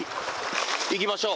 いきましょう。